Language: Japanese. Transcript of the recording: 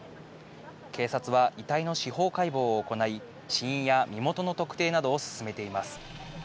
警察は遺体の司法解剖を行い、死因や身元の特定などを進めています。